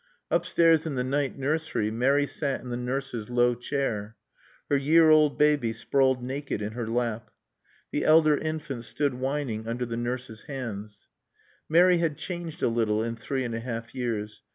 Upstairs in the night nursery Mary sat in the nurse's low chair. Her year old baby sprawled naked in her lap. The elder infant stood whining under the nurse's hands. Mary had changed a little in three and a half years.